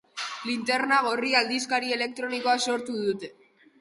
Linterna Gorria aldizkari elektronikoa sortu dute.